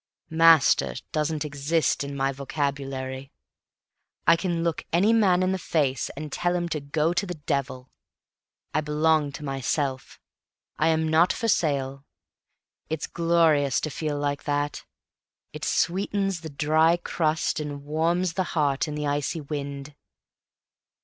"Master" doesn't exist in my vocabulary. I can look any man in the face and tell him to go to the devil. I belong to myself. I am not for sale. It's glorious to feel like that. It sweetens the dry crust and warms the heart in the icy wind.